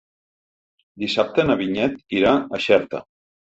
Dissabte na Vinyet irà a Xerta.